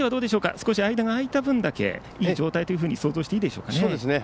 少し間が空いた分いい状態だと想像していいでしょうかね。